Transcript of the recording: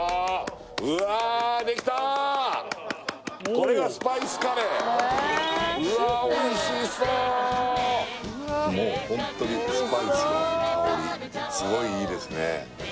これがスパイスカレーうわおいしそうもうホントにスパイスの香りスゴイいいですね